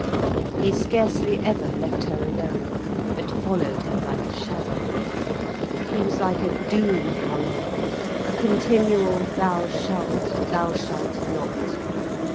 He scarcely ever left her alone, but followed her like a shadow, he was like a doom upon her, a continual "thou shalt," "thou shalt not."